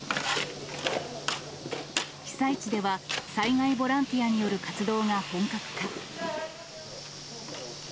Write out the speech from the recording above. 被災地では、災害ボランティアによる活動が本格化。